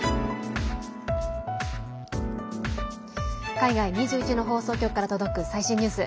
海外２１の放送局から届く最新ニュース。